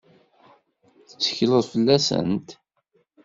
Tettekleḍ fell-asent?